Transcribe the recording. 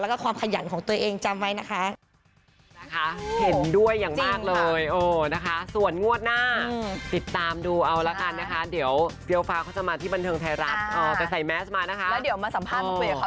แล้วก็ความขยันของตัวเองจำไว้นะคะ